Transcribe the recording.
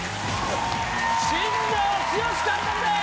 新庄剛志監督です！